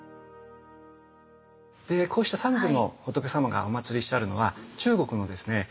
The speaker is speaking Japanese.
こうした三世の仏様がおまつりしてあるのは中国のですね